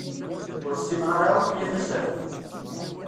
Ur ssineɣ ara akya tasertit.